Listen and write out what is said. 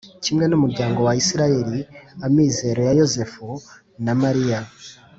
kimwe n’umuryango wa isiraheli, amizero ya yozefu na mariya